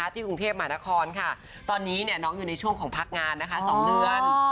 กรุงเทพมหานครค่ะตอนนี้น้องอยู่ในช่วงของพักงานนะคะ๒เดือน